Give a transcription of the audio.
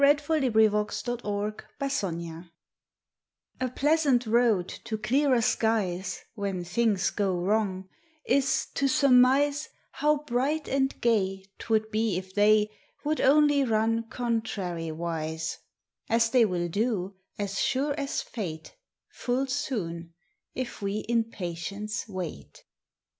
August Fifth A SHORT CUT A PLEASANT road to clearer skies ^ When things go wrong is to surmise How bright and gay Twould be if they Would only run contrariwise, As they will do, as sure as fate, Full soon if we in patience wait.